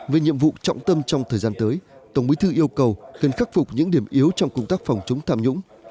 về nhiệm vụ trọng tâm trong thời gian tới tổng bí thư yêu cầu cần khắc phục những điểm yếu trong công tác phòng chống tham nhũng